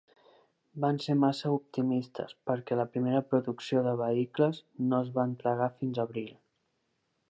Van ser massa optimistes, perquè la primera producció de vehicles no es va entregar fins abril.